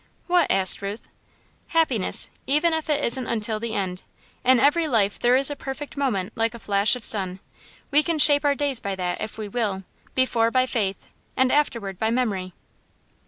"What?" asked Ruth. "Happiness even if it isn't until the end. In every life there is a perfect moment, like a flash of sun. We can shape our days by that, if we will before by faith, and afterward by memory."